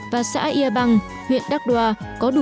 và xã yê bang huyện đắc đoa có đủ